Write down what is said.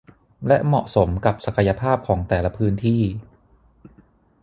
และเหมาะสมกับศักยภาพของแต่ละพื้นที่